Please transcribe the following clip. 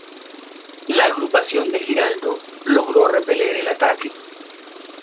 La agrupación de Giraldo logró repeler el ataque.